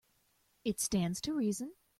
It stands to reason.